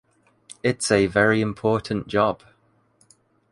It’s a very important job.